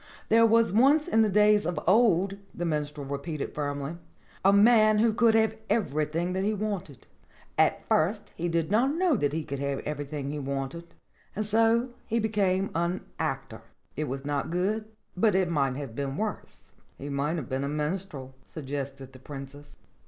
"There was once in the days of old," the Minstrel repeated firmly, "a man who could have everything that he wanted. At first he did not know that he could have everything he wanted, and so he became an actor. It was not good, but it might have been worse." "He might have been a minstrel," suggested the Princess.